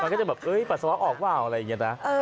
มันก็จะแบบเอ้ปัสสาวะออกเปล่าอะไรอย่างนี้นะ